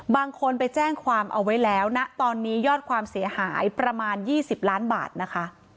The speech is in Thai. บางคนไปแจ้งความเอาไว้แล้วนะตอนนี้ยอดความเสียหายประมาณ๒๐ล้านบาทนะคะ